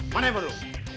mana yang baru